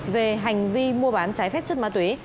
về hành vi mua bán trái phép chất ma túy